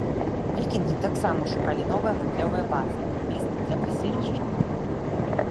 Вікінгі таксама шукалі новыя гандлёвыя базы і месцы для паселішчаў.